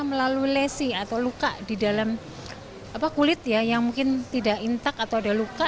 melalui lesi atau luka di dalam kulit ya yang mungkin tidak intak atau ada luka